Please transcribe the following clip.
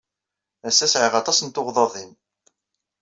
Ass-a sɛiɣ aṭas n tuɣdaḍin.